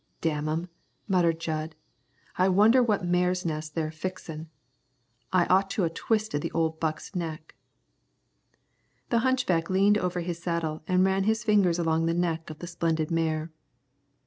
"Damn 'em," muttered Jud, "I wonder what mare's nest they're fixin'. I ought to 'a twisted the old buck's neck." The hunchback leaned over his saddle and ran his fingers along the neck of the splendid mare.